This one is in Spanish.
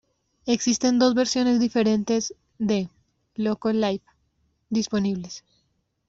Existen dos versiones diferentes de "Loco Live" disponibles.